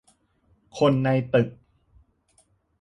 คนในตึก